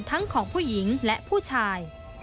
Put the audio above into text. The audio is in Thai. ทั้งของผู้หญิงและผู้ชาย